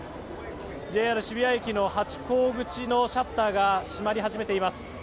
ＪＲ渋谷駅のハチ公口のシャッターが閉まり始めています。